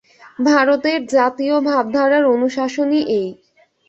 ভারতের জাতীয় ভাবধারার অনুশাসনই এই।